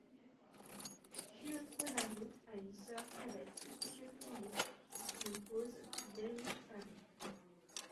Khieu Ponnary a une sœur cadette Khieu Thirith qui épouse Ieng Sary.